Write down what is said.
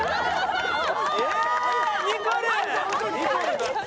ニコルだ。